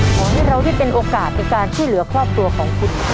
ขอให้เราได้เป็นโอกาสในการช่วยเหลือครอบครัวของคุณ